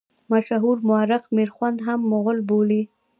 مشهور مورخ میرخوند هم مغول بولي.